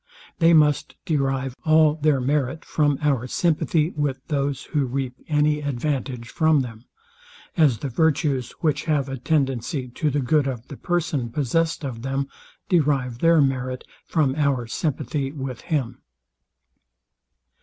They must derive all their merit from our sympathy with those, who reap any advantage from them: As the virtues, which have a tendency to the good of the person possessed of them, derive their merit from our sympathy with him.